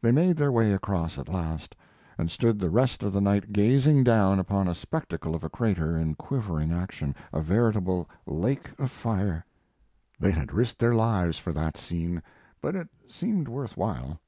They made their way across at last, and stood the rest of the night gazing down upon a spectacle of a crater in quivering action, a veritable lake of fire. They had risked their lives for that scene, but it seemed worth while.